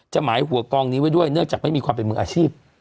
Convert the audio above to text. หมายหัวกองนี้ไว้ด้วยเนื่องจากไม่มีความเป็นมืออาชีพ